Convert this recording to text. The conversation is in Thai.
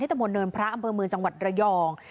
ตะบนเนินพระอำเภอเมืองจังหวัดระยอง